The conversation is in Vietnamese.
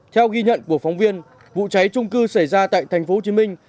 theo ghi nhận của phóng viên vụ cháy trung cư xảy ra tại thành phố hồ chí minh